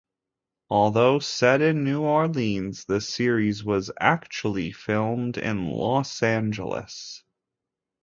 Although set in New Orleans, the series was actually filmed in Los Angeles.